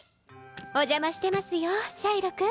お邪魔してますよシャイロ君。